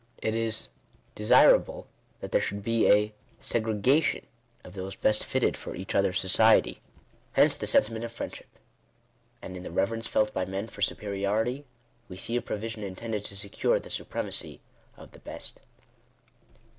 It is desirable that there should be a segregation of those best fitted for each other's society — hence the sentiment of friendship. And in the reverence felt by men for superiority, we see a provision intended to secure the supremacy oflhe best.